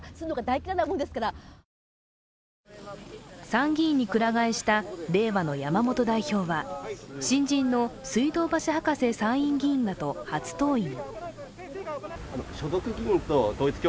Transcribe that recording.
参議院にくら替えした、れいわの山本代表は新人の水道橋博士参院議員らと初登院。